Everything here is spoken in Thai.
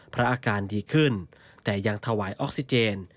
อาการดีขึ้นแต่ยังถวายออกซิเจน